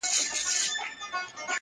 مور بې حاله کيږي ناڅاپه-